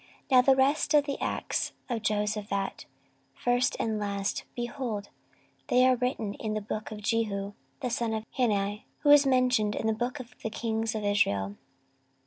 14:020:034 Now the rest of the acts of Jehoshaphat, first and last, behold, they are written in the book of Jehu the son of Hanani, who is mentioned in the book of the kings of Israel.